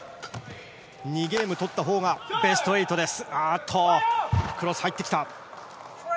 ２ゲーム取ったほうがベスト８です。